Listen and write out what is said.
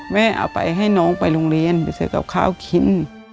เอาไปให้น้องไปโรงเรียนไปซื้อกับข้าวกิน